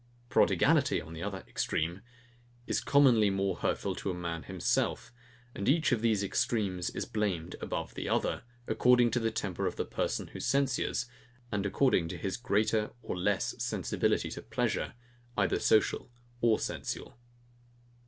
PRODIGALITY, the other extreme, is commonly more hurtful to a man himself; and each of these extremes is blamed above the other, according to the temper of the person who censures, and according to his greater or less sensibility to pleasure, either social or sensual.